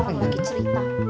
orang lagi cerita